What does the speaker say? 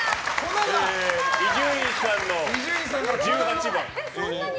伊集院さんの十八番。